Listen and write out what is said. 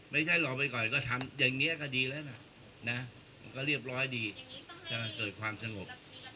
ไม่ใช่รอไปก่อนก็ทำอย่างนี้ก็ดีแล้วนะก็เรียบร้อยดีจะเกิดความสงบ